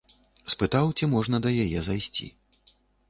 Спытаў, ці можна да яе зайсці.